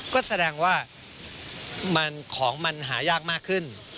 ก็แสดงว่าของมันหายากมากขึ้น